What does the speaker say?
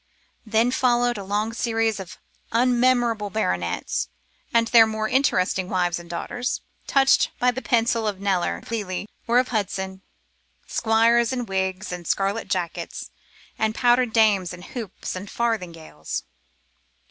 Then followed a long series of un memorable baronets, and their more interesting wives and daughters, touched by the pencil of Kneller, of Lely, or of Hudson; squires in wigs and scarlet jackets, and powdered dames in hoops and farthingales.